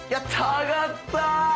あがった！